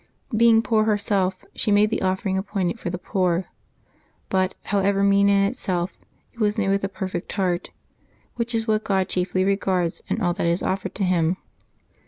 Be ing poor herself, she made the offering appointed for the poor ; but, however mean in itself, it was made with a per fect heart, which is what God chiefly regards in all that is offered to Him.